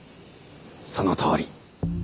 そのとおり。